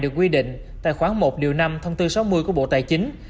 được quy định tại khoảng một năm thông tư sáu mươi của bộ tài chính